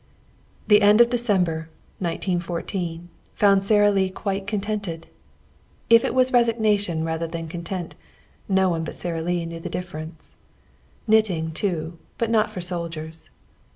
The end of December, 1914, found Sara Lee quite contented. If it was resignation rather than content, no one but Sara Lee knew the difference. Knitting, too; but not for soldiers.